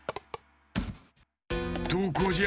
どこじゃ？